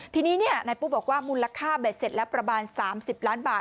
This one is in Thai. ทีนี้นายปุ๊บอกว่ามูลค่าเบ็ดเสร็จแล้วประมาณ๓๐ล้านบาท